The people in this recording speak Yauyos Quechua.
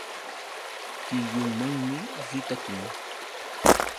Tiyunmanmi ritakun.